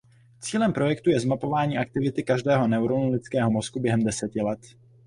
Cílem projektu je zmapování aktivity každého neuronu lidského mozku během deseti let.